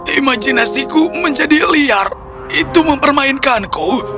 imajinasiku menjadi liar itu mempermainkanku